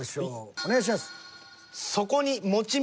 お願いします。